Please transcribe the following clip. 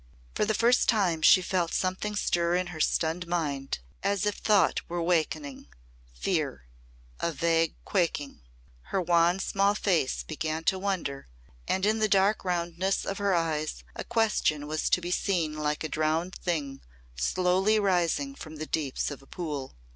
For the first time she felt something stir in her stunned mind as if thought were wakening fear a vague quaking. Her wan small face began to wonder and in the dark roundness of her eyes a question was to be seen like a drowned thing slowly rising from the deeps of a pool.